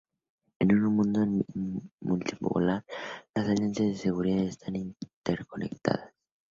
En un mundo multipolar las alianzas de seguridad están interconectadas.